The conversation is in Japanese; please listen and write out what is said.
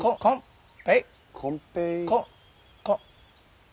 ここ。